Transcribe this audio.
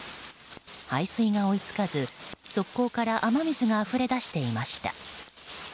排水が追い付かず側溝から雨水があふれ出していました。